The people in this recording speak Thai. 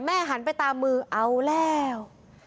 หันไปตามมือเอาแล้ว